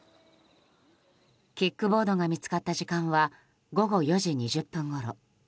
キックボードが見つかった時間は午後４時２０分ごろ。